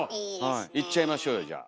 いっちゃいましょうよじゃあ。